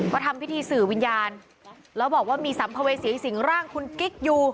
ก็ทำพิธีสื่อวิญญาณแล้วบอกว่ามีสัมภเวษีสิงร่างคุณกิ๊กอยู่